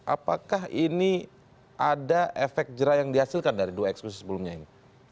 apakah ini ada efek jerah yang dihasilkan dari dua eksekusi sebelumnya ini